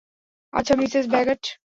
আচ্ছা, Mrs Bagot.